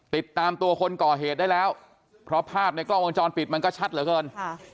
ติดตามตัวคนก่อเหตุได้แล้วเพราะภาพในกล้องวงจรปิดมันก็ชัดเหลือเกินค่ะ